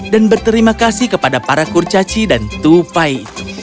dan berterima kasih kepada para kurcaci dan tupai itu